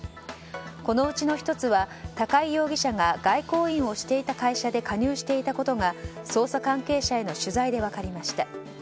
このうちの１つは、高井容疑者が外交員をしていた会社で加入していたことが捜査関係者への取材で分かりました。